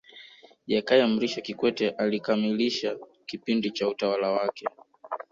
Jakaya Mrisho Kikwete alikamilisha kipindi cha utawala wake